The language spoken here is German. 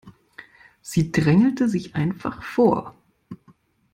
Sie drängelte sich einfach vor.